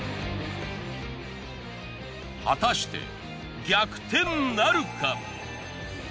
果たして逆転なるか？